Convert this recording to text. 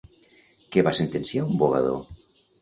Què va sentenciar un vogador?